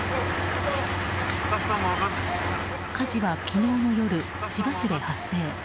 火事は昨日の夜、千葉市で発生。